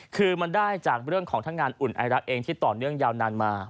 คือมันได้จากเรื่องของทั้งงานอุ่นไอรักเองที่ต่อเนื่องยาวนานมา